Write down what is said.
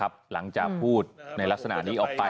ระหว่างแมงเผอร์กับผู้กำกัดผู้กำใหม่นะครับ